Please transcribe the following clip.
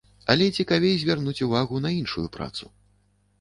Але цікавей звярнуць увагу на іншую працу.